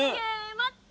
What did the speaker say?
待って。